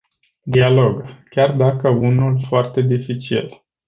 Dialog, chiar dacă unul foarte dificil.